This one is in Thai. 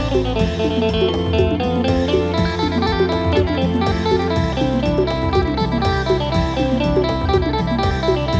เธอไม่รู้ว่าเธอไม่รู้